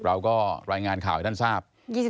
เราก็รายงานข่าวให้ท่านทราบ